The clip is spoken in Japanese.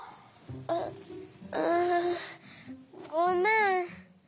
あっうんごめん。